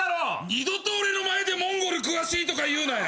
二度と俺の前でモンゴル詳しいとか言うなよ！